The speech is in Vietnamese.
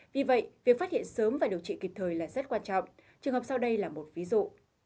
vì vậy việc phát hiện sớm và điều trị kịp thời là rất quan trọng trường hợp sau đây là một ví dụ